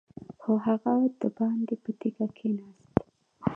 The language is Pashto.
خو هغه دباندې په تيږه کېناست.